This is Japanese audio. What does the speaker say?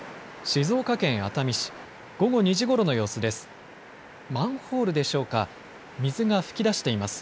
静岡県熱海市、午後２時ごろの様子です。